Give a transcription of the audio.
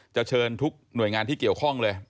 จะเชิญทุกหน่วยงานที่เกี่ยวข้องเลย